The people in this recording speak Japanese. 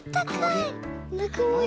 ぬくもり。